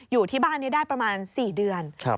อยู่ที่บ้านนี้ได้ประมาณ๔เดือน